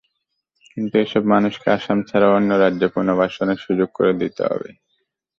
কিন্তু এসব মানুষকে আসাম ছাড়াও অন্য রাজ্যে পুনর্বাসনের সুযোগ করে দিতে হবে।